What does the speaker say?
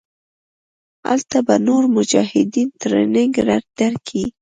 هلته به نور مجاهدين ټرېننګ دركي.